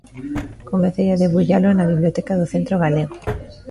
Comecei a debullalo na biblioteca do Centro Galego.